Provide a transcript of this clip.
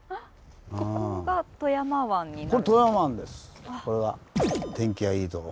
ここが富山湾になる。